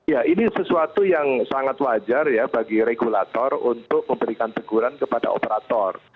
ya ini sesuatu yang sangat wajar ya bagi regulator untuk memberikan teguran kepada operator